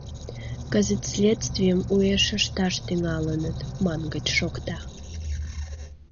Кызыт следствийым уэш ышташ тӱҥалыныт, мангыч шокта.